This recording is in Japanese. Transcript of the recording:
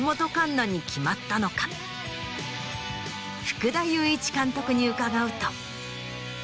福田雄一監督に伺うと。